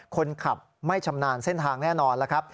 คนขับไม่ชำนาญเส้นทางแน่นอนแล้วครับ